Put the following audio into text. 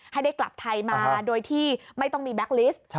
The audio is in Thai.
ให้ได้กลับไทยมาโดยที่ไม่ต้องมีแบ็คลิสต์